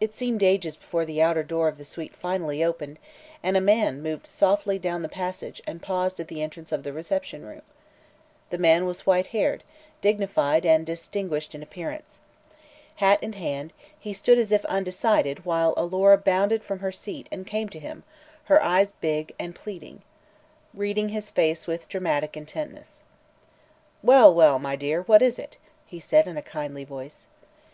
It seemed ages before the outer door of the suite finally opened and a man moved softly down the passage and paused at the entrance of the reception room. The man was white haired, dignified and distinguished in appearance. Hat in hand, he stood as if undecided while Alora bounded from her seat and came to him, her eyes, big and pleading, reading his face with dramatic intentness. "Well, well, my dear; what is it?" he said in a kindly voice.